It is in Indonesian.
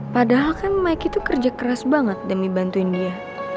padahal kan mike itu kerja keras banget demi bantuin dia